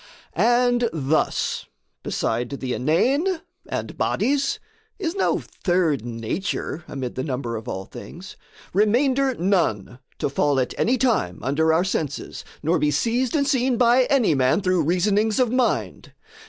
And thus, Beside the inane and bodies, is no third Nature amid the number of all things Remainder none to fall at any time Under our senses, nor be seized and seen By any man through reasonings of mind.